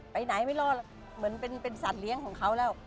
ไปไหนไม่รอดเหมือนเป็นสัตว์เลี้ยงของเขาแล้ว